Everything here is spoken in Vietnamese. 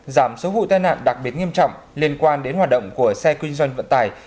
giảm số vụ tai nạn đặc biệt nghiêm trọng liên quan đến hoạt động của xe kinh doanh vận tải